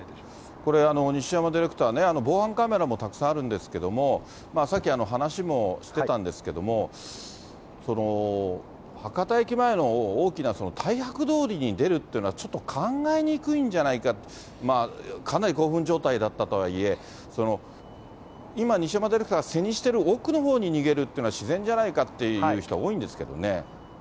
これ、西山ディレクターね、防犯カメラもたくさんあるんですけれども、さっき話もしてたんですけれども、博多駅前の大きな大博通りに出るっていうのは、ちょっと考えにくいんじゃないか、かなり興奮状態だったとはいえ、今、西山ディレクターが背にしてる奥のほうに逃げるというのが自然じゃないかという人が多いんですけどね。